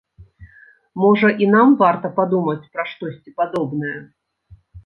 Можа, і нам варта падумаць пра штосьці падобнае?